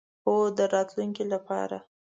هو، د راتلونکی لپاره